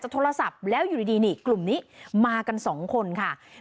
โทรศัพท์แล้วอยู่ดีนี่กลุ่มนี้มากันสองคนค่ะ